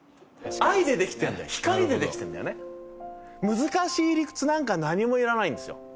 難しい理屈なんか何もいらないんですよ。